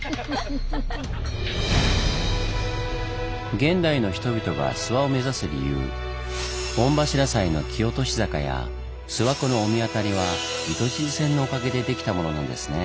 現代の人々が諏訪を目指す理由御柱祭の木落し坂や諏訪湖の御神渡りは糸静線のおかげでできたものなんですねぇ。